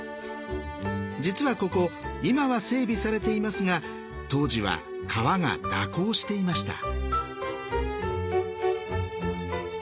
実はここ今は整備されていますが当時は川が蛇行していました。